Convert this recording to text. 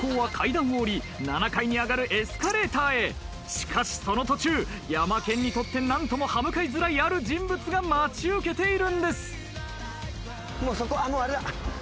しかしその途中ヤマケンにとって何とも歯向かいづらいある人物が待ち受けているんです。